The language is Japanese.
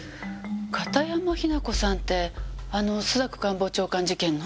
片山雛子さんってあの朱雀官房長官事件の？